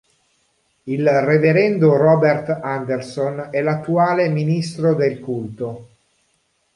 Il reverendo Robert Anderson è l'attuale ministro del culto.